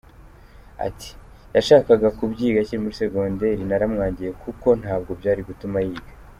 Ati “Yashakaga kubyiga akiri muri secondaire, naramwangiye kuko ntabwo byari gutuma yiga.